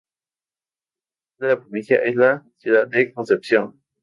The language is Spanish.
La capital de la provincia es la ciudad de Concepción.